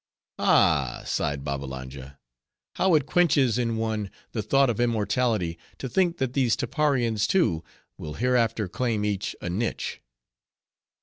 "Ah!" sighed Babbalanja, "how it quenches in one the thought of immortality, to think that these Tapparians too, will hereafter claim each a niche!"